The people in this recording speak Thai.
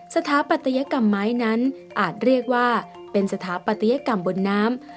สถาปัตยกรรมไม้นั้นอาจเรียกว่าเป็นสถาปัตยกรรมบนน้ำ